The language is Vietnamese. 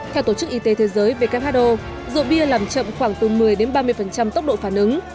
theo tổ chức y tế thế giới who rượu bia làm chậm khoảng từ một mươi ba mươi tốc độ phản ứng